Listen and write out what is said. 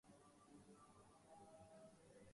خرام ناز برق خرمن سعی سپند آیا